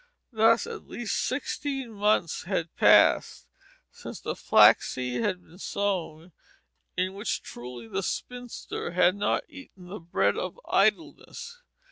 Thus at least sixteen months had passed since the flaxseed had been sown, in which, truly, the spinster had not eaten the bread of idleness.